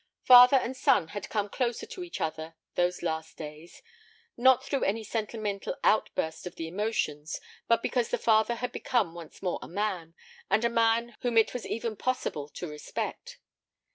Father and son had come closer to each other those last days, not through any sentimental outburst of the emotions, but because the father had become once more a man, and a man whom it was even possible to respect.